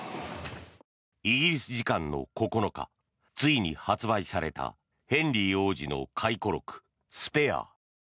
イギリス時間の９日ついに発売されたヘンリー王子の回顧録「スペア」。